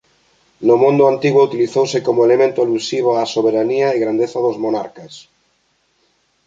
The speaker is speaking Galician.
No mundo antigo utilizouse como elemento alusivo á soberanía e grandeza dos monarcas.